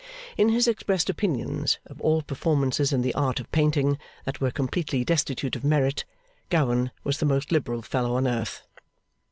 In his expressed opinions of all performances in the Art of painting that were completely destitute of merit, Gowan was the most liberal fellow on earth.